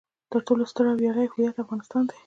تر ټولو ستر او ویاړلی هویت افغانستان دی.